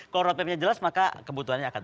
kalau road mapnya jelas maka kebutuhannya akan